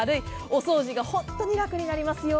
お掃除が本当に楽になりますよ。